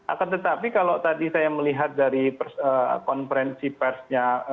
akan tetapi kalau tadi saya melihat dari konferensi persnya